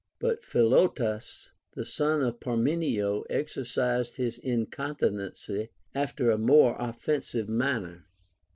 But Philotas the son of Parmenio exercised his in continency after a more offensive manner.